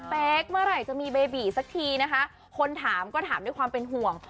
เป๊กเมื่อไหร่จะมีเบบีสักทีนะคะคนถามก็ถามด้วยความเป็นห่วง